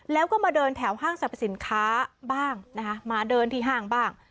แล้วก็มาเดินแถวห้างสรรพสินค้าบ้างนะคะมาเดินที่ห้างบ้าง